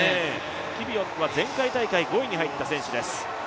キビウォットは前回大会５位に入った選手です。